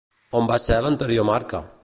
On va ser l'anterior marca?